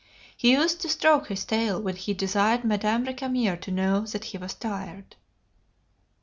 He used to stroke his tail when he desired Madame Recamier to know that he was tired.